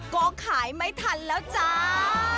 ก็ขายไม่ทันแล้วจ้า